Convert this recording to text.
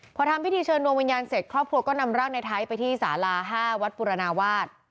พอทำพิธีเชิญดวงวิญญาณเสร็จครอบครัวก็นำร่างในไทยไปที่สาลา๕วัดปุรณาวาส